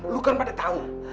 lu kan pada tau